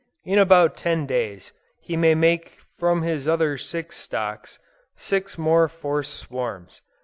In about ten days, he may make from his other six stocks, six more forced swarms.